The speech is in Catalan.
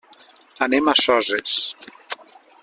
Anem a Soses.